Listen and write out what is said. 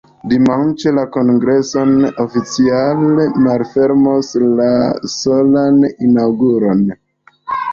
Dimanĉe la kongreson oficiale malfermos la solena inaŭguro.